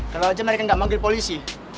kalau aja mereka nggak manggil polisi